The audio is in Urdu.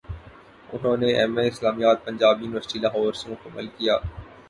انہوں نے ایم اے اسلامیات پنجاب یونیورسٹی لاہور سے مکمل کیا